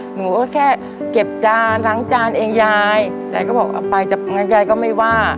หนูก็แค่เก็บจานล้างจานเองยายยายก็บอกเอาไปแต่งั้นยายก็ไม่ว่า